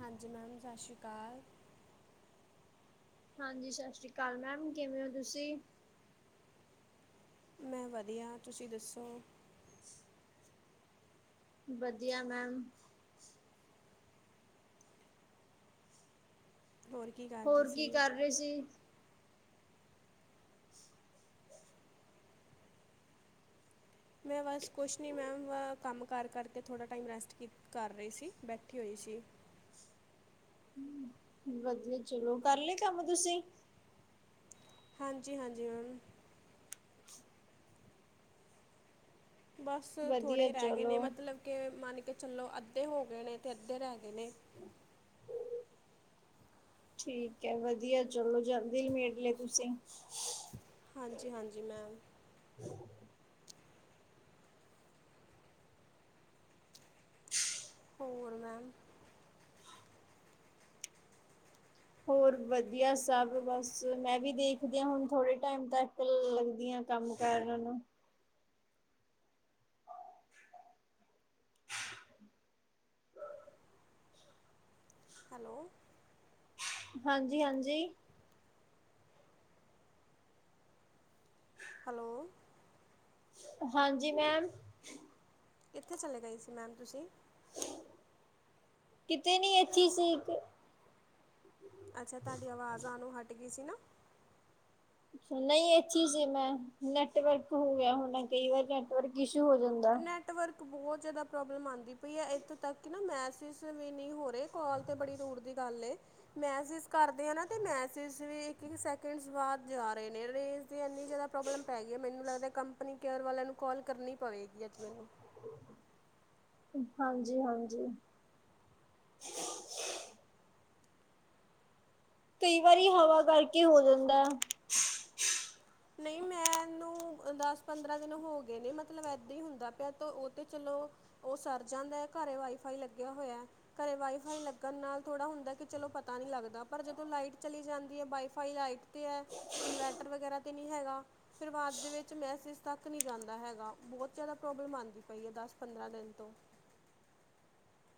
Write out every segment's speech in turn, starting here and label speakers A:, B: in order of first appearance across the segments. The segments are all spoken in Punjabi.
A: ਹਾਂਜੀ, ਮੈਮ ਸਤਿ ਸ਼੍ਰੀ ਅਕਾਲ।
B: ਹਾਂਜੀ, ਸਤਿ ਸ਼੍ਰੀ ਅਕਾਲ ਮੈਮ ਕਿਵੇਂ ਹੋ ਤੁਸੀਂ?
A: ਮੈਂ ਵਧੀਆ, ਤੁਸੀਂ ਦੱਸੋ?
B: ਵਧੀਆ ਮੈਮ।
A: ਹੋਰ ਕੀ ਕਰ
B: ਹੋਰ ਕੀ ਕਰ ਰਹੇ ਸੀ?
A: ਮੈਂ ਬਸ ਕੁਝ ਨਹੀਂ ਮੈਮ ਕੰਮ ਕਰ-ਕਰਕੇ ਥੋੜ੍ਹਾ ਟਾਈਮ ਰੈਸਟ ਕੀ ਕਰ ਰਹੀ ਸੀ ਬੈਠੀ ਹੋਈ ਸੀ।
B: ਵਧੀਆ ਚਲੋ ਕਰ ਲਏ ਕੰਮ ਤੁਸੀਂ?
A: ਹਾਂਜੀ-ਹਾਂਜੀ ਮੈਮ। ਬਸ
B: ਵਧੀਆ
A: ਥੋੜ੍ਹੇ ਰੈ ਗਏ
B: ਚਲੋ
A: ਨੇ ਮਤਲਬ ਕਿ ਮੰਨ ਕੇ ਚਲੋ ਅੱਧੇ ਹੋ ਗਏ ਨੇ ਅਤੇ ਅੱਧੇ ਰੈ ਗਏ ਨੇ।
B: ਠੀਕ ਐ ਵਧੀਆ ਚਲੋ ਜੀ ਆਂਦੇ ਈ ਮੇਟ ਲੇ ਤੁਸੀਂ
A: ਹਾਂਜੀ-ਹਾਂਜੀ ਮੈਮ ਹੋਰ ਮੈਮ
B: ਹੋਰ ਵਧੀਆ ਸਭ ਬਸ ਮੈਂ ਵੀ ਦੇਖਦੀ ਹੁਣ ਥੋੜੇ ਟਾਈਮ ਤੱਕ ਲੱਗਦੀ ਆਂ। ਕੰਮ ਕਰਨ ਨੂੰ
A: ਹੈਲੋ
B: ਹਾਂਜੀ-ਹਾਂਜੀ
A: ਹੈਲੋ
B: ਹਾਂਜੀ ਮੈਮ
A: ਕਿੱਥੇ ਚਲੇ ਗਏ ਸੀ ਮੈਮ ਤੁਸੀਂ
B: ਕਿਤੇ ਨੀ ਐਥੇ ਸੀ।
A: ਅੱਛਾ ਤੁਹਾਡੀ ਆਵਾਜ਼ ਆਨ ਨੂੰ ਹਟ ਗਈ ਸੀ ਨਾ।
B: ਨਈ ਇਥੇ ਸੀ ਮੈਂ ਨੈਟਵਰਕ ਹੋ ਗਿਆ ਹੋਣਾ ਕਈ ਵਾਰ ਨੈ ਵਰਕ ਇਸ਼ੂ ਹੋ ਜਾਂਦਾ।
A: ਨੈੱਟਵਰਕ ਬੋਤ ਜਾਦਾ ਪ੍ਰੋਬਲਮ ਆਂਦੀ ਪਈ ਹੈ ਇੱਥੋਂ ਤੱਕ ਨਾ ਮੈਸਜ ਵੀ ਨਈ ਹੋ ਰਏ। ਕਾਲ ਤੇ ਬੜੀ ਦੂਰ ਦੀ ਗੱਲ ਏ। ਮੈਸਜ ਕਰਦੇ ਆ ਨਾ ਤੇ ਮੈਸੇਜ ਵੀ ਇੱਕ-ਇਕ ਸੈਕਿੰਡਸ ਬਾਦ ਜਾ ਰਏ ਨੇ ਰੇਂ ਤੇ ਇੰਨੀ ਜਾਦਾ ਪ੍ਰੋਬਲਮ ਪੈ ਗਈ ਏ ਮੈਨੂੰ ਲੱਗਦਾ ਕੰਪਨੀ ਕੇਅਰ ਵਾਲਿਆਂ ਨੂੰ ਕਾਲ ਕਰਨੀ ਪਵੇਗੀ ਅੱਜ ਮੈਨੂੰ
B: ਹਾਂਜੀ-ਹਾਂਜੀ ਕਈ ਵਾਰੀ ਹਵਾ ਕਰਕੇ ਹੋ ਜਾਂਦਾ ਐ।
A: ਨਈ ਮੈਂ ਇਹਨੂੰ ਦਸ ਪੰਦਰਾਂ ਦਿਨ ਹੋ ਗਏ ਨੇ ਮਤਲਬ ਏਦਾਂ ਹੀ ਹੁੰਦਾ ਪਿਆ ਤਾਂ ਓ ਤੇ ਚਲੋ। ਓ ਸਰ ਜਾਂਦਾ ਏ ਘਰੇ ਵਾਈਫਾਈ ਲੱਗਿਆ ਹੋਇਆ। ਘਰੇ ਵਾਈਫਾਈ ਲੱਗਣ ਨਾਲ ਥੋੜ੍ਹਾ ਹੁੰਦਾ ਕਿ ਚਲੋ ਪਤਾ ਨਈ ਲੱਗਦਾ ਪਰ ਜਦੋਂ ਲਾਈਟ ਚਲੀ ਜਾਂਦੀ ਏ ਵਾਈਫਾਈ ਲਾਈਟ ਏ ਇਨਵਰਟਰ ਵਗੈਰਾ ਤੇ ਨਈ ਹੈਗਾ। ਫੇਰ ਬਾਦ ਦੇ ਵਿੱਚ ਮੈਸੇਜ ਤੱਕ ਨਈ ਜਾਂਦਾ ਹੈਗਾ ਬੋਤ ਜਾਦਾ ਪ੍ਰੋਬਲਮ ਆਂਦੀ ਪਈ ਹੈ ਦਸ ਪੰਦਰਾਂ ਦਿਨ ਤੋਂ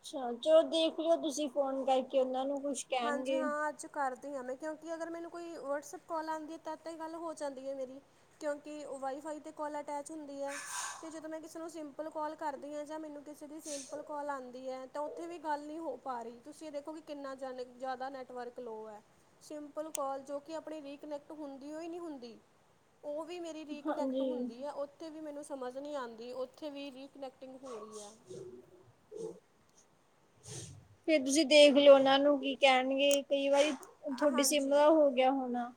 B: ਅੱਛਾ ਚਲੋ ਦੇਖ ਲਿਓ ਤੁਸੀਂ ਫੋਨ ਕਰਕੇ ਉਹਨਾਂ ਨੂੰ ਕੁਛ
A: ਹਾਂਜੀ
B: ਕਹਿਣਗੇ
A: ਹਾਂ ਅੱਜ ਕਰਦੀ ਹਾਂ ਮੈਂ ਕਿਉਂਕਿ ਅਗਰ ਮੈਨੂੰ ਕੋਈ ਵਟਸਐਪ ਕਾਲ ਆਂਦੀ ਤਦ ਤੇ ਗੱਲ ਹੋ ਜਾਂਦੀ ਏ ਮੇਰੀ ਕਿਉਂਕਿ ਵਾਈਫਾਈ ਤੇ ਕੋਲ ਅਟੈਚ ਹੁੰਦੀ ਐ। ਤੇ ਜਦੋਂ ਮੈਂ ਕਿਸੇ ਨੂੰ ਸਿੰਪਲ ਕੋਲ ਕਰਦੀ ਹਾਂ ਜਾਂ ਮੈਨੂੰ ਕਿਸੇ ਦੀ ਸਿੰਪਲ ਕੋਲ ਆਂਦੀ ਐ। ਤਾਂ ਉੱਥੇ ਵੀ ਗੱਲ ਨੀ ਹੋ ਪਾ ਰਈ ਤੁਸੀਂ ਇਹ ਦੇਖੋ ਕਿ ਕਿੰਨਾ ਜਾਦਾ ਨੈਟਵਰਕ ਲੋ ਐ। ਸਿੰਪਲ ਕਾਲ ਜੋ ਕਿ ਆਪਣੀ ਰੀਕਨੈਕਟ ਹੁੰਦੀ ਹੋਈ ਨਈ ਹੁੰਦੀ ਓ ਵੀ ਮੇਰੀ ਰੀਕਨੈਕਟ
B: ਹਾਂਜੀ
A: ਹੁੰਦੀ ਆ ਉੱਥੇ ਵੀ ਮੈਨੂੰ ਸਮਝ ਨਈ ਆਂਦੀ ਉੱਥੇ ਵੀ ਰੀਕਨੈਕਟਿੰਗ ਹੋ ਰਈ ਐ।।।
B: ਫੇਰ ਤੁਸੀਂ ਦੇਖ ਲਓ ਉਹਨਾਂ ਨੂੰ ਕੀ ਕੈਣਗੇ ਕਈ ਵਾਰੀ ਤੁਹਾਡੀ ਸਿੰਮ
A: ਹਾਂਜੀ
B: ਦਾ ਹੋ ਗਿਆ ਹੋਣਾ।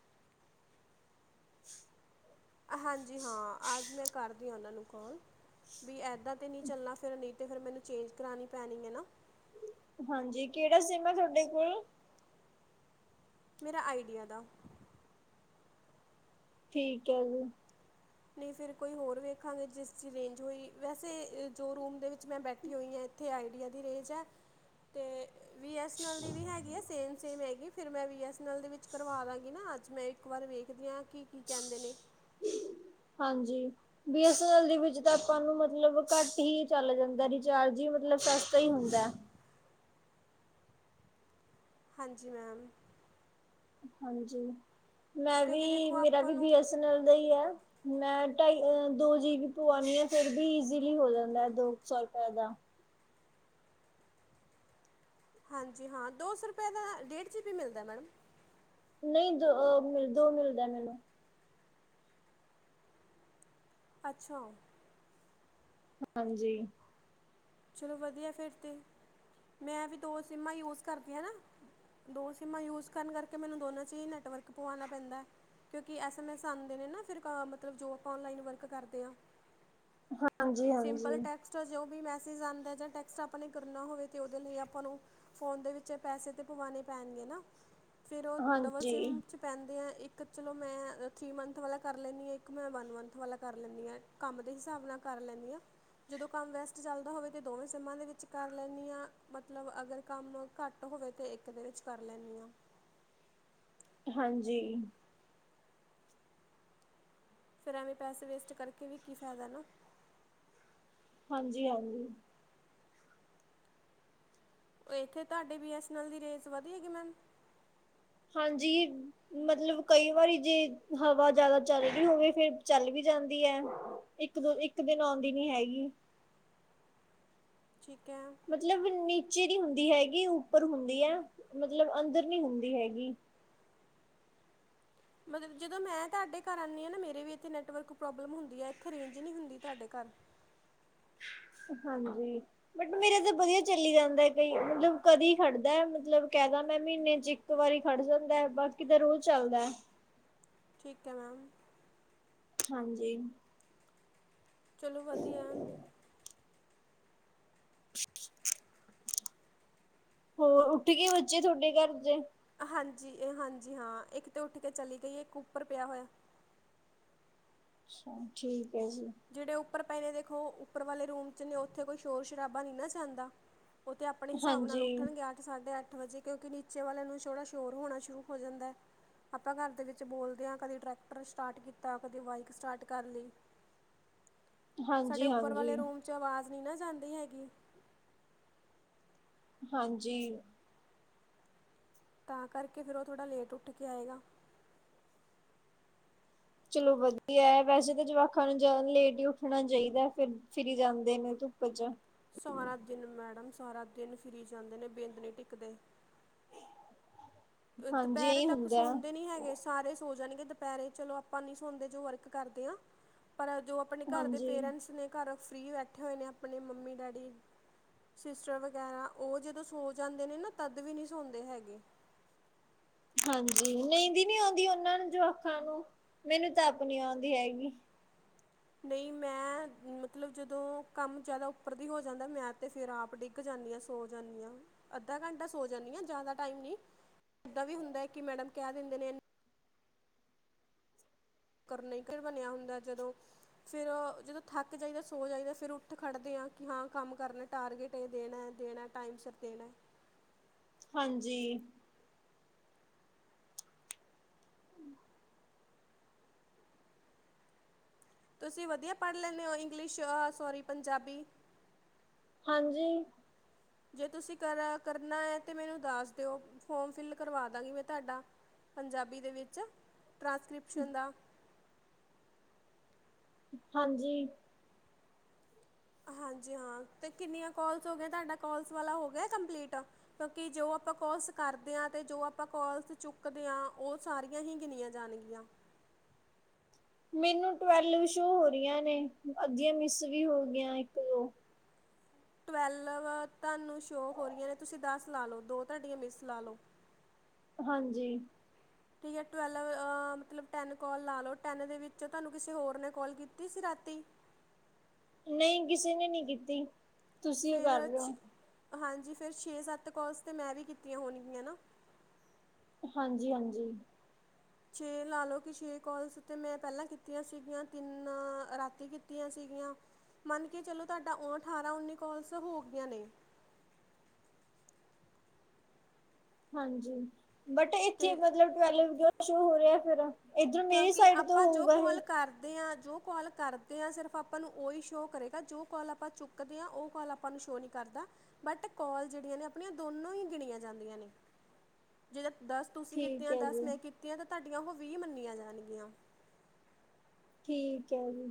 A: ਹਾਂਜੀ ਹਾਂ ਅੱਜ ਮੈਂ ਕਰਦੀ ਉਹਨਾਂ ਨੂੰ ਕੌਲ ਵੀ ਇੱਦਾਂ ਤਾਂ ਨਈ ਚੱਲਣਾ ਫਿਰ ਨਈ ਤਾ ਫਿਰ ਮੈਨੂੰ ਚੇਂਜ ਕਰਾਂਣੀ ਪੈਣੀ ਨਾ।
B: ਹਾਂਜੀ ਕੇੜਾ ਸਿੰਮ ਆ ਤੁਹਾਡੇ ਕੋਲ
A: ਮੇਰਾ ਆਈਡੀਆ ਦਾ।
B: ਠੀਕ ਹੈ ਜੀ।
A: ਨਈ ਫਿਰ ਕੋਈ ਹੋਰ ਵੇਖਾਂਗੇ ਜਿਸ ਦੀ ਰੇਂਜ ਹੋਈ ਵੈਸੇ ਜੋ ਰੂਮ ਦੇ ਵਿੱਚ ਮੈਂ ਬੈਠੀ ਹੋਈ ਆਂ। ਇੱਥੇ ਆਈਡੀਆ ਦੀ ਰੇਜ ਹੈ ਤੇ ਬੀ ਐੱਸ ਅਨ ਅਲ ਦੀ ਵੀ ਹੈਗੀ ਹੈ ਸੇਮ। ਸੇਮ ਹੈਗੀ ਫਿਰ ਮੈਂ ਬੀ ਐਸ ਐਨ ਐਲ ਦੇ ਵਿੱਚ ਕਰਵਾ ਦਾਂਗੀ ਨਾ, ਅੱਜ ਮੈਂ ਇੱਕ ਵਾਰ ਵੇਖਦੀ ਹਾਂ ਕੀ-ਕੀ ਕਹਿੰਦੇ ਨੇ।
B: ਹਾਂਜੀ। ਬੀ ਐਸ ਅਨ ਅਲ ਦੇ ਵਿੱਚ ਆਪਾਂ ਨੂੰ ਮਤਲਬ ਘੱਟ ਹੀ ਚੱਲ ਜਾਂਦਾ ਰਿਚਾਰਜ ਹੀ ਮਤਲਬ ਸਸਤਾ ਹੀ ਹੁੰਦਾ।
A: ਹਾਂਜੀ ਮੈਮ।
B: ਹਾਂਜੀ ਮੈਂ
A: ਕਿਉਂਕਿ
B: ਵੀ,
A: ਦੇਖੋ
B: ਮੇਰਾ
A: ਆਪਾਂ
B: ਵੀ ਬੀ
A: ਨੂੰ
B: ਐਸ ਐਨ ਐਲ ਦਾ ਹੀ ਹੈ। ਮੈਂ ਢਾਈ, ਦੋ ਜੀਬੀ ਪੂਆਨੀ ਆ ਫਿਰ ਵੀ ਈਸਿਲੀ ਹੋ ਜਾਂਦਾ ਦੋ ਸੌ ਰੁਪਏ ਦਾ।
A: ਹਾਂਜੀ ਹਾਂ ਦੋ ਸੌ ਰੁਪਏ ਦਾ ਡੇਢ ਜੀ ਬੀ ਮਿਲਦਾ ਮੈਡਮ।
B: ਨਈ ਦੋ ਅ ਦੋ ਮਿਲਦਾ ਮੈਨੂੰ।
A: ਅੱਛਾ।
B: ਹਾਂਜੀ।
A: ਚਲੋ ਵਧੀਆ ਫਿਰ ਤੇ, ਮੈਂ ਵੀ ਦੋ ਸਿੰਮਾਂ ਯੂਜ ਕਰਦੀ ਹਾਂ ਨਾ। ਦੋ ਸਿੰਮਾਂ ਯੂਜ ਕਰਨ ਕਰਕੇ ਮੈਨੂੰ ਦੋਨਾਂ ਚ ਹੀ ਨੈੱਟਵਰਕ ਪਵਾਉਣਾ ਪੈਂਦਾ। ਕਿਉਂਕਿ ਐਸ ਐਮ ਐਸ ਆਦੇ ਨੇ ਨਾ ਫਿਰ ਕਾ ਮਤਲਬ ਜੌਬ ਆਨਲਾਈਨ ਵਰਕ ਕਰਦੇਆਂ।
B: ਹਾਂਜੀ
A: ਸਿੰਪਲ
B: ਹਾਂਜੀ।
A: ਟੈਕਸਟ ਜੋ ਵੀ ਮੈਸ ਸਜ ਆਦਾ ਯਾ ਟੈਕਸਟ ਆਪਾਂ ਕਰਨਾ ਹੋਵੇ ਤੇ ਉਹਦੇ ਲਈ ਆਪਾਂ ਨੂੰ ਫੋਨ ਦੇ ਵਿੱਚ ਪੈਸੇ ਤੇ ਪਵਾਣੇ ਪੈਣਗੇ ਨਾ ਫੇਰ ਉਹ ਡਬਲ ਸਿਮ
B: ਹਾਂਜੀ
A: ਚ ਪੈਂਦੇ ਐ ਇੱਕ ਚਲੋ ਮੈਂ ਥ੍ਰਰੀ ਮੰਥ ਵਾਲਾ ਕਰ ਲੈਨੀ ਆ ਇੱਕ ਮੈਂ ਵਨ ਮੰਥ ਵਾਲਾ ਕਰ ਲੈਨੀ ਆ। ਕੰਮ ਦੇ ਹਿਸਾਬ ਨਾਲ ਕਰ ਲੈਨੀ ਆ ਜਦੋਂ ਕੰਮ ਵੈਸ ਚੱਲਦਾ ਹੋਵੇ ਤੇ ਦੋਵੇਂ ਸਮਾਂ ਦੇ ਵਿੱਚ ਕਰ ਲੈਨੀ ਆ ਮਤਲਬ ਅਗਰ ਕੰਮ ਘੱਟ ਟ ਹੋਵੇ ਤੇ ਏਕ ਦੇ ਵਿੱਚ ਕਰ ਲੈਨੀ ਆ।
B: ਹਾਂਜੀ।
A: ਫੇਰ ਐਵੇਂ ਪੈਸੇ ਵੇਸਟ ਕਰਕੇ ਵੀ ਕੀ ਫਾਇਦਾ ਨਾ।
B: ਹਾਂਜੀ-ਹਾਂਜੀ।
A: ਉ ਇੱਥੇ ਤੁਹਾਡੇ ਬੀ ਐਸ ਐਨ ਐਲ ਦੀ ਰੇਜ਼ ਵਧੀ ਹੈਗੀ ਮੈਮ?
B: ਹਾਂਜੀ। ਮਤਲਬ ਕਈ ਵਾਰੀ ਜੇ ਹਵਾ ਜਾਦਾ ਚੱਲਦੀ ਹੋਵੇ ਫੇਰ ਚੱਲ ਵੀ ਜਾਂਦੀ ਐ। ਇੱਕ ਦੋ, ਇੱਕ ਦਿਨ ਓਦੀ ਨੀ ਹੈਗੀ।
A: ਠੀਕ ਹੈ।
B: ਮਤਲਬ ਨੀਚੇ ਦੀ ਹੁੰਦੀ ਹੈਗੀ ਉੱਪਰ ਹੁੰਦੀ ਹੈ ਮਤਲਬ ਅੰਦਰ ਨੀ ਹੁੰਦੀ ਹੈਗੀ।
A: ਮਤਲਬ ਜਦੋਂ ਮੈਂ ਤੁਹਾਡੇ ਘਰ ਆਨੀ ਆ ਨਾ, ਮੇਰੇ ਵੀ ਇੱਥੇ ਨੈਟਵਰਕ ਪ੍ਰੋਬਲ ਹੁੰਦੀ ਆ ਇੱਥੇ ਰੇਂਜ ਨੀ ਹੁੰਦੀ ਤੁਹਾਡੇ ਘਰ।
B: ਹਾਂਜੀ। ਬਟ ਮੇਰਾ ਤਾਂ ਵਧੀਆ ਚੱਲ ਜਾਂਦਾ ਕਈ ਮਤਲਬ ਕਦੇ ਖੜਦਾ ਮਤਲਬ ਕਹਿਦਾ ਮੈਂ ਮਹੀਨੇ ਚ ਇਕ ਵਾਰੀ ਖੜ ਜਾਂਦਾ ਬਾਕੀ ਤਾਂ ਰੋਜ਼ ਚੱਲਦਾ।
A: ਠੀਕ ਹੈ ਮੈਮ।
B: ਹਾਂਜੀ।
A: ਚਲੋ ਵਧੀਆ ਐ।
B: ਹੋਰ ਉੱਠ ਕੇ ਬੱਚੇ ਤੁਹਡੇ ਘਰ ਦੇ?
A: ਹਾਂਜੀ-ਹਾਂਜੀ ਹਾਂ ਇੱਕ ਤੇ ਉੱਠ ਕੇ ਚਲੀ ਗਈ ਏ, ਇੱਕ ਉੱਪਰ ਪਿਆ ਹੋਇਆ।
B: ਅੱਛਾ ਠੀਕ ਹੈ ਜੀ।
A: ਜੇੜੇ ਉੱਪਰ ਪਏ ਦੇਖੋ ਉੱਪਰ ਵਾਲੇ ਰੂਮ ਚ ਨੇ ਉੱਥੇ ਕੋਈ ਸ਼ੋਰ ਸ਼ਰਾਬਾ ਨੀ ਨਾ ਜਾਂਦਾ। ਉਹ ਤੇ ਆਪਣੇ ਹਿਸਾਬ ਨਾਲ
B: ਹਾਂਜੀ।
A: ਉੱਠਣ ਗੇ ਆ ਸਾਢੇ ਅੱਠ ਵਜੇ ਕਿਉਂਕਿ ਨੀਚੇ ਵਾਲੇ ਨੂੰ ਛੋੜਾ ਸ਼ੋਰ ਹੋਣਾ ਸ਼ੁਰੂ ਹੋ ਜਾਂਦਾ। ਆਪਾਂ ਘਰ ਦੇ ਵਿੱਚ ਬੋਲਦੇ ਹਾਂ ਕਦੇ ਟਰੈਕਟਰ ਸਟਾਰਟ ਕੀਤਾ ਕਦੇ ਬਾਈਕ ਸਟਾਰਟ ਕਰ ਲੀ। ਸਾਡੇ
B: ਹਾਂਜੀ
A: ਉੱਪਰ
B: ਹਾਂਜੀ
A: ਵਾਲੇ ਰੂਮ ਚ ਆਵਾਜ਼ ਨੀ ਨਾ ਜਾਂਦੀ ਹੈਗੀ।
B: ਹਾਂਜੀ।
A: ਤਾਂ ਕਰਕੇ ਫਿਰ ਉਹ ਥੋੜ੍ਹਾ ਲੇਟ ਉੱਠ ਕੇ ਆਏਗਾ।
B: ਚਲੋ ਵਧੀਆ ਐ, ਵੈਸੇ ਤਾਂ ਜਵਾਕਾਂ ਨੂੰ ਜਾ ਲੇਟ ਹੀ ਉੱਠਣਾ ਚਾਹੀਦਾ ਫਿਰ ਫਿਰੀ ਜਾਂਦੇ ਨੇ ਧੁੱਪ ਚ।
A: ਸਾਰਾ ਦਿਨ ਮੈਡਮ, ਸਾਰਾ ਦਿਨ ਫਿਰੀ ਜਾਂਦੇ ਨੇ ਬਿੰਦ ਨਹੀਂ ਟਿੱਕਦੇ। ਏ
B: ਹਾਂਜੀ
A: ਦੁਪਹਿਰੇ
B: ਇਹੀ
A: ਤੱਕ
B: ਹੁੰਦਾ
A: ਸੌਦੇ ਨੀ ਹੈਗੇ ਸ ਸਾਰੇ ਸੋ ਜਾਣਗੇ ਦੁਪਹਿਰੇ ਚਲੋ ਆਪਾਂ ਨੀ ਸੋਦੇ ਜੇ ਵਰਕ ਕਰਦੇ ਆ, ਪਰ ਜੋ ਆਪਣੇ ਘਰ ਦੇ
B: ਹਾਂਜੀ।
A: ਪੇਰੈਂਟਸ ਨੇ ਘਰ ਫਰੀ ਬੈਠੇ ਹੋਏ ਨੇ ਆਪਣੇ ਮੰਮੀ ਡੈਡੀ। ਸਿਸਟਰ ਵਗੈਰਾ ਉਹ ਜਦੋਂ ਸੋ ਜਾਂਦੇ ਨੇ ਨਾ ਤਦ ਵੀ ਨੀ ਸੌਂਦੇ ਹੈਗੇ।
B: ਹਾਂਜੀ ਨਦੀ ਨੀ ਆਉਂਦੀ ਉਹਨਾਂ ਨੂੰ ਜਵਾਕਾ ਨੂੰ ਮੈਨੂੰ ਤਾਂ ਆਪਣੀ ਆਉਂਦੀ ਹੈਗੀ।
A: ਨੀ ਮੈਂ ਮਤਲਬ ਜਦੋਂ ਕੰਮ ਜ਼ਿਆਦਾ ਉੱਪਰ ਦੀ ਹੋ ਜਾਂਦਾ ਮੈਂ ਤਾਂ ਫਿਰ ਆਪ ਡਿਗ -ਗ ਜਾਂਦੀ ਆ, ਸੌ ਜਾਂਦੀ ਆ, ਅੱਧਾ ਘੰਟਾ ਸੌ ਜਾਂਦੀ ਆ ਜਿਆਦਾ ਟਾਈਮ ਨੀ। ਇੱਦਾਂ ਵੀ ਹੁੰਦਾ ਹੈ ਕਿ ਮੈਡਮ ਕਹਿ ਦਿੰਦੇ ਨੇ ਏਹਨੂੰ ਕਰਨੇ ਕਰ ਬਣਿਆ ਹੁੰਦਾ ਜਦੋਂ ਫੇਰ ਜਦੋਂ ਥੱਕ ਜਾਈਦਾ ਸੌ ਜਾਈਦਾ ਫੇਰ ਉੱਠ ਖੜ੍ਹਦੇ ਹਾਂ ਕਿ ਹਾਂ ਕੰਮ ਕਰਨਾ। ਟਾਰਗੇਟ ਇਹ ਦੇਣਾ-ਦੇਣਾ ਟਾਈਮ ਸਿਰ ਦੇਣਾ।
B: ਹਾਂਜੀ।
A: ਤੁਸੀਂ ਵਧੀਆ ਪੜ੍ਹ ਲੈਂਦੇ ਹੋ ਇੰਗਲਿਸ਼ ਐ ਸੋਰੀ ਪੰਜਾਬੀ?
B: ਹਾਂਜੀ।
A: ਜੇ ਤੁਸੀਂ ਕਾਰਾ ਕਰਨਾ ਐ, ਤਾਂ ਮੈਨੂੰ ਦੱਸ ਦਿਓ ਫੋਰਮ ਫਿਲ ਕਰਵਾ ਦਾਂਗੀ ਮੈਂ ਤੁਹਾਡਾ। ਪੰਜਾਬੀ ਦੇ ਵਿੱਚ ਟ੍ਰਾਂਸਕ੍ਰਿਪਸ਼ਨ ਦਾ
B: ਹਾਂਜੀ।
A: ਹਾਂਜੀ ਹਾਂ, ਤੇ ਕਿੰਨੀਆਂ ਕੋਲਸ ਹੋ ਗਏ ਤੁਹਾਡਾ ਕੋਲਸ ਵਾਲਾ ਹੋ ਗਿਆ ਕੰਪਲੀਟ। ਕਿਉਂਕਿ ਜੋ ਆਪਾਂ ਕੋਲਸ ਕਰਦੇ ਆ, ਤੇ ਜੋ ਆਪਾਂ ਕੋਲਸ ਚੁੱਕਦੇ ਆ, ਉਹ ਸਾਰੀਆਂ ਹੀ ਗਿਣੀਆਂ ਜਾਣਗੀਆਂ।
B: ਮੈਨੂੰ ਟਵੈਲਵ ਸ਼ੋਅ ਹੋ ਰਹੀਆਂ ਨੇ ਅੱਧੀਆਂ ਮਿਸ ਵੀ ਹੋ ਗਈਆਂ ਇੱਕ-ਦੋ।
A: ਟਵੈਲਵ ਤੁਹਾਨੂੰ ਸ਼ੋਅ ਹੋ ਰਹੀਆਂ ਨੇ ਤੁਸੀਂ ਦਸ ਲਾ ਲਓ ਦੋ ਤੁਹਾਡੀਆਂ ਮਿਸ ਲਾ ਲਓ। [inaudible]
B: ਹਾਂਜੀ।
A: [inaudible] ਠੀਕ ਹੈ ਟਵੈਲਵ ਮਤਲਬ ਟੈਨ ਕੋਲ ਲਾ ਲਓ ਟੈਨ ਦੇ ਵਿੱਚ ਤੁਹਾਨੂੰ ਕਿਸੇ ਹੋਰ ਨੇ ਕੋਲ ਕੀਤੀ ਸੀ ਰਾਤੀ?
B: ਨਈ ਕਿਸੇ ਨੇ ਨੀ ਕੀਤੀ। ਤੁਸੀਂ ਉਹ ਕਰ
A: ਫੇਰ
B: ਰਹੇ
A: ਛੇ
B: ਹੋ
A: ਹਾਂਜੀ ਫਿਰ ਛੇ-ਸੱਤ ਕੋਲਸ ਤਾਂ ਮੈਂ ਵੀ ਕੀਤੀਆਂ ਹੋਣਗੀਆਂ ਨਾ।
B: ਹਾਂਜੀ ਹਾਂਜੀ।
A: ਛੇ ਲਾ ਲਓ ਪਿਛਲੀਆਂ ਕੋਲਸ ਤਿੰਨ ਮੈਂ ਪਹਿਲਾਂ ਕੀਤੀਆਂ ਸੀਗੀਆਂ ਤਿੰਨ ਰਾਤੀ ਕੀਤੀਆਂ ਸੀਗੀਆਂ। ਮੰਨ ਕੇ ਚਲੋ ਤੁਹਾਡਾ ਓ ਅਠਾਰਾਂ- ਉੱਨੀ ਕੋਲਸ ਹੋ ਗਈਆਂ ਨੇ।
B: ਹਾਂਜੀ ਬਟ ਇੱਥੇ
A: ਤੇ
B: ਮਤਲਬ ਟਵੈਲਵ ਕਿਉ ਸੋ ਹੋ ਰਿਹਾ ਫੇਰ? ਇੱਧਰ ਮੇਰੀ ਸਾਈਡ ਤੋਂ ਹੋਊਗਾ ਇਹ?
A: ਦੇ ਆ ਜੋ ਕਾਲ ਕਰਦੇ ਹਾਂ ਸਿਰਫ ਆਪਾਂ ਨੂੰ ਉਹੀ ਸ਼ੋਅ ਕਰੇਗਾ ਜੋ ਕਾਲ ਆਪਾਂ ਚੁੱਕਦੇ ਆ ਉਹ ਕਾਲ ਆਪਾਂ ਨੂੰ ਸ਼ੋ ਨੀ ਕਰਦਾ, ਬਟ ਕੋਲ ਜਿਹੜੀਆਂ ਨੇ ਆਪਣੀਆਂ ਦੋਨੋਂ ਹੀ ਗਿਣੀਆਂ ਜਾਂਦੀਆਂ ਨੇ। ਜਿਦਾ ਦਸ ਤੁਸੀਂ
B: ਠੀਕ
A: ਕੀਤੀਆਂ
B: ਹੈ
A: ਦਸ
B: ਜੀ,
A: ਮੈਂ ਕੀਤੀਆਂ ਤਾਂ ਤੁਹਾਡੀਆਂ ਉਹ ਵੀਹ ਮੰਨੀਆਂ ਜਾਣਗੀਆਂ।
B: ਠੀਕ ਹੈ ਜੀ।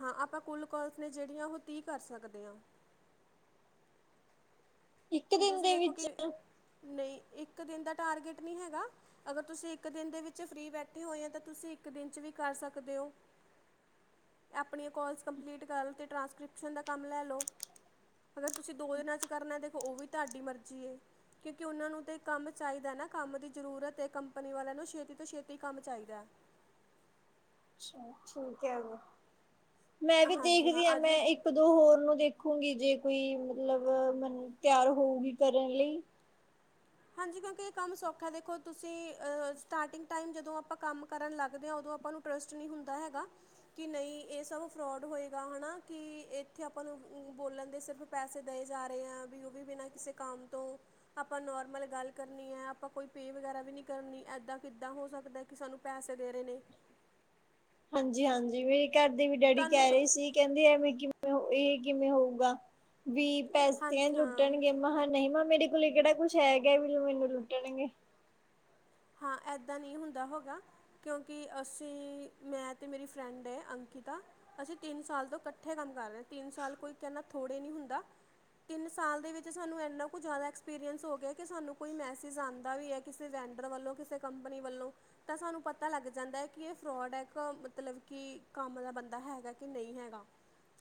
A: ਹਾਂ ਆਪਾਂ ਕੁਲ ਕੋਲਸ ਨੇ ਜਿਹੜੀਆਂ ਉਹ ਤੀਹ ਕਰ ਸਕਦੇ ਆ।
B: ਇੱਕ
A: ਹੁਣ
B: ਦਿਨ
A: ਤੁਸੀਂ
B: ਦੇ
A: ਦੇਖੋ
B: ਵਿੱਚ
A: ਕਿ, ਨਹੀਂ ਇੱਕ ਦਿਨ ਦਾ ਟਾਰਗੇਟ ਨਹੀਂ ਹੈਗਾ। ਅਗਰ ਤੁਸੀਂ ਇੱਕ ਦਿਨ ਦੇ ਵਿੱਚ ਫ੍ਰਰੀ ਬੈਠੇ ਹੋਏ ਆ ਤਾਂ ਤੁਸੀਂ ਇੱਕ ਦਿਨ ਚ ਵੀ ਕਰ ਸਕਦੇ ਓ। ਆਪਣੀਆਂ ਕੋਲਸ ਕੰਪਲੀਟ ਕਰੋ ਤੇ ਟਰਾਂਸਕ੍ਰਿਪਸ਼ਨ ਦਾ ਕੰਮ ਲੈ ਲਓ। ਅਗਰ ਤੁਸੀਂ ਦੋ ਦਿਨਾਂ ਚ ਕਰਨੈ, ਦੇਖੋ ਓ ਵੀ ਤਾਡੀ ਮਰਜੀ ਏ। ਕਿਓਕਿ, ਓੱਨਾਂ ਨੂੰ ਤੇ ਕਾੰਮ ਚਾਈਦੈ ਨਾ, ਕਾੰਮ ਦੀ ਜਰੂਰਤ ਏ ਕੰਪਨੀ ਵਾਲੇਆਂ ਨੂੰ, ਛੇਤੀ ਤੋਂ ਛੇਤੀ ਕੰਮ ਚਾਈਦੈ।
B: ਅੱਛਾ ਠੀਕ ਹੈ, ਮੈਂ ਵੀ
A: ਹਾਂਜੀ ਹਾਂ
B: ਦੇਖਦੀ ਆਂ ਮੈਂ
A: ਅੱਜ
B: ਇੱਕ ਦੋਂ ਹੋਰ ਨੂੰ ਦੇਖੂਂਗੀ, ਜੇ ਕੋਈ ਮਤਲਬ ਮਨੂੰ ਤੇਆਰ ਹੋਊਗੀ ਕਰਨ ਲਈ।
A: ਹਾਂਜੀ, ਕਿਓੱਕਿ ਏ ਕੰਮ ਸੌਖਾ ਹੈ, ਦੇਖੋ ਤੁਸੀਂ ਸਟਾਰਟਿੰਗ ਟਾਈਮ ਜਦੋਂ ਅਪਾਂ ਕਾੰਮ ਕਰਨ ਲੱਗਦੇ ਆ ਓਦੋਂ ਅਪਾਂ ਨੂੰ ਟ੍ਰਸਟ ਨੀ ਹੁੰਦਾ ਹੈਗਾ ਕਿ, ਨਈ ਏ ਸਭ ਫਰੋਡ ਹੋਏਗਾ ਹਣਾ, ਕਿ ਏੱਥੇ ਅਪਾਂ ਨੂੰ ਬੋਲਣ ਦੇ ਸਿਰਫ ਪੈਸੇ ਦਏ ਜਾ ਰੇ ਏਂ, ਵੀ ਓਵੀ ਬਿਨਾਂ ਕਿਸੇ ਕਾੰਮ ਤੋਂ, ਆਪਾਂ ਨੋਰ ਮਲਬ ਗਾੱਲ ਕਰਨੀ ਏ, ਅਪਾਂ ਕੋਈ ਪੇ ਵਗੈਰਾ ਵੀ ਨੀ ਕਰਨੀ, ਏਦਾਂ ਕਿੱਦਾਂ ਹੋ ਸਕਦਾ ਕਿ, ਸਾਨੂੰ ਪੈਸੇ ਦੇ ਰੇ ਨੇ।
B: ਹਾਂਜੀ, ਹਾਂਜੀ ਮੇਰੇ ਘਰ ਦੇ ਵੀ ਡੈਡੀ
A: ਤੁਹਾਨੂੰ
B: ਕੈ
A: ਤਾਂ-
B: ਰੇ ਸੀ ਕੈੰਦੇ ਐਵੇ ਕਿਵੇਂ, ਏ ਕਿਵੇਂ ਹੋਊਗਾ ਵੀ ਪੈਸੇ ਐ
A: ਹਾਂਜੀ ਹਾਂ
B: ਲੁੱਟਣਗੇ ਮਹਾਂ ਨੀ, ਮਹਾਂ ਮੇਰੇ ਕੋਲ ਕੇੜਾ ਕੁਛ ਹੈਗਾ ਵੀ ਮੈਨੂੰ ਲੁੱਟਣਗੇ।
A: ਹਾਂ, ਏਦਾਂ ਨੀ ਹੁੰਦਾ ਹੋਗਾ। ਕਿਓੱਕਿ ਅਸੀਂ, ਮੈਂ ਤੇ ਮੇਰੀ ਫਰੈਂਡ ਏ ਅੰਕਿਤਾ ਅਸੀਂ ਤਿੰਨ ਸਾਲ ਤੋਂ ਕੱਠੇ ਕੰਮ ਕਰ ਰੇਆਂ, ਤਿੰਨ ਸਾਲ ਕੋਈ ਕੇੰਨਾ ਥੋੜੇ ਨੀ ਹੁੰਦਾ। ਤਿੰਨ ਸਾਲ ਦੇ ਵਿੱਚ ਸਾਨੂੰ ਏੱਨਾ ਕੁ ਜਾਦਾ ਐਕਸਪੀਰੀਅੰਸ ਹੋ ਗੇਆ, ਕਿ ਸਾਨੂੰ ਕੋਈ ਮੈਸੇਜ਼ ਆਂਦਾ ਵੀ ਐ ਕਿਸੇ, ਵੈਂਟ ਵੱਲੋਂ, ਕਿਸੇ ਕੰਪਨੀ ਵੱਲੋਂ ਤਾਂ ਸਾਨੂੰ ਪਤਾ ਲੱਗ ਜਾਂਦਾ ਹੈ, ਕਿ ਏ ਫਰੋਡ ਹੈ ਕ ਮਤਲਬ ਕਿ ਕੰਮ ਦਾ ਬੰਦਾ ਹੈਗਾ ਕੇ ਨਈ ਹੈਗਾ।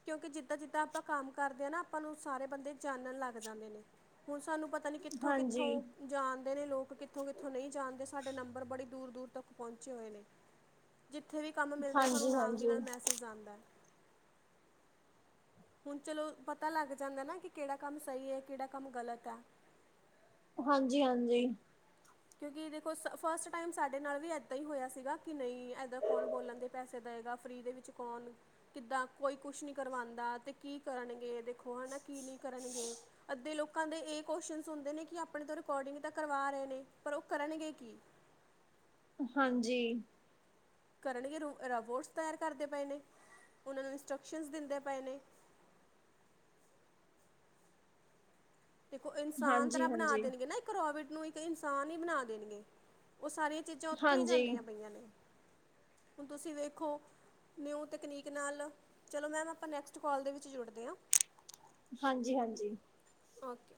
A: ਕਿਓਂਕਿ ਜਿੱਦਾਂ, ਜਿੱਦਾਂ ਆਪਾਂ ਕਾੰਮ ਕਰਦੇ ਆਂ ਨਾ ਆਪਾਂ ਨੂੰ ਸਾਰੇ ਬੰਦੇ ਜਾਨਣ ਲੱਗ ਜਾਂਦੇ ਨੇ। ਹੁਣ ਸਾਨੂੰ ਪਤਾ ਨੀ ਕਿੱਥੋਂ,
B: ਹਾਂਜੀ,
A: ਕਿੱਥੋਂ ਜਾਣਦੇ ਨੇ ਲੋਕ ਕਿੱਥੋਂ, ਕਿੱਥੇ ਕਿਥੋਂ ਨਈ ਜਾਣਦੇ, ਸਾਡੇ ਨੰਬਰ ਬੜੀ ਦੂਰ, ਦੂਰ ਤੱਕ ਪੋੱਚੇ ਹੋਏ ਨੇ। ਜਿੱਥੇ ਵੀ ਕਾੰਮ ਮਿਲਦੈ ਸਾਨੂੰ ਨਾਲ ਦੇ
B: ਹਾਂਜੀ-ਹਾਂਜੀ,
A: ਨਾਲ ਮੈਸੇਜ਼ ਆੰਦੈ। ਹੁਣ ਚਲੋ ਪਤਾ ਲਾੱਗ ਜਾਂਦੈ ਨਾ, ਕਿ ਕੈੜਾ ਕਾੰਮ ਸਈ ਏ, ਕੈੜਾ ਕਾੰਮ ਗਲਤ ਏ।
B: ਹਾਂਜੀ, ਹਾਂਜੀ।
A: ਕਿਉਂਕਿ, ਦੇਖੋ ਸ ਫਸਟ ਟਾਈਮ ਸਾਡੇ ਨਾਲ ਵੀ ਏਦਾਂ ਹੀ ਹੋਇਆ ਸੀਗਾ, ਕਿ ਨਈ ਏਦਾਂ ਕੌਣ ਬੋਲਣ ਦੇ ਪੈਸੇ ਦਏਗਾ, ਫ੍ਰਰੀ ਦੇ ਵਿੱਚ ਕੌਣ ਕਿੱਦਾਂ ਕੋਈ ਕੁਛ ਨੀ ਕਰਵਾੰਦਾ ਤੇ ਕੀ ਕਰਨਗੇ, ਦੇਖੋ ਹਨਾ ਕੀ ਨੀ ਕਰਨਗੇ ਅੱਧੇ ਲੋਕਾਂ ਦੇ ਏ ਕੋਸ਼ਚਨ ਹੁੰਦੇ ਨੇ, ਕਿ ਅਪਣੇ ਤੋਂ ਰਿਕੋਡਿੰਗ ਤਾਂ ਕਰਵਾ ਰੇ ਨੇ, ਪਰ ਓ ਕਰਨਗੇ ਕੀ?
B: ਹਾਂਜੀ
A: ਕਰਨਗੇ ਰ ਰੋਬੋਟਸ ਤਿਆਰ ਕਰਦੇ ਪਏ ਨੇ, ਓਨਾਂ ਨੂੰ ਇੰਸਟਰਕਸ਼ਨ ਦੇੰਦੇ ਪਏ ਨੇ ਦੇਖੋ, ਇਨਸਾਨ ਤਰ੍ਹਾਂ ਬਣਾ
B: ਹਾਂਜੀ-ਹਾਂਜੀ,
A: ਦੇਣਗੇ ਨਾ ਇੱਕ ਰੋਬਿਟ ਨੂੰ, ਇੱਕ ਇਨਸਾਨ ਹੀ ਬਣਾ ਦੇਣਗੇ, ਓ ਸਾਰੇ ਚੀਜਾਂ ਓਥੇ ਹੀ
B: ਹਾਂਜੀ,
A: ਜਾਂਦੀਆਂ ਪਈਆਂ ਨੇ, ਹੁਣ ਤੁਸੀਂ ਵੇਖੋ ਨਿਊ ਤਕਨੀਕ ਨਾਲ, ਚਲੋ ਮੈਮ ਅਪਾਂ ਨੈਕਸਟ ਕੋਲ ਦੇ ਵਿੱਚ ਜੁੜਦੇ ਆਂ।
B: ਹਾਂਜੀ, ਹਾਂਜੀ।
A: ਔਕੇ।